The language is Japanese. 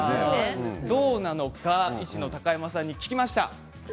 どうなのか医師の高山さんに聞きました。